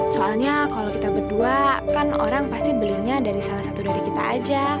soalnya kalau kita berdua kan orang pasti belinya dari salah satu dari kita aja